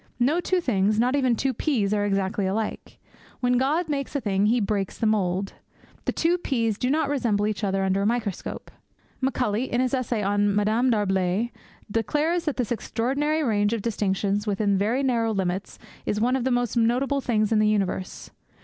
No two things not even the two peas are exactly alike. When God makes a thing He breaks the mould. The two peas do not resemble each other under a microscope. Macaulay, in his essay on Madame D'Arblay, declares that this extraordinary range of distinctions within very narrow limits is one of the most notable things in the universe.